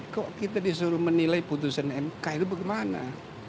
kok kita disuruh menilai putusan mk itu bagaimana